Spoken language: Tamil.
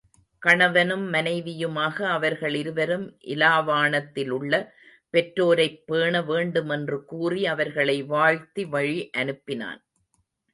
கணவனும் மனைவியுமாக அவர்களிருவரும் இலாவாணத்திலுள்ள பெற்றோரைப் பேண வேண்டுமென்று கூறி அவர்களை வாழ்த்தி வழி அனுப்பினான்.